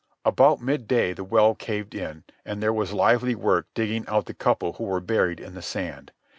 About midday the well caved in, and there was lively work digging out the couple who were buried in the sand.